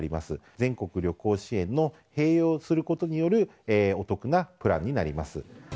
全国旅行支援の併用することによるお得なプランになります。